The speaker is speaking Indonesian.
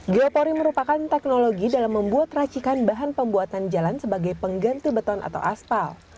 geopori merupakan teknologi dalam membuat racikan bahan pembuatan jalan sebagai pengganti beton atau aspal